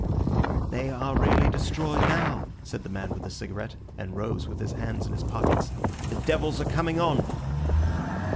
"They are really destroyed now," said the man with a cigarette, and rose with his hands in his pockets. "The devils are coming on!"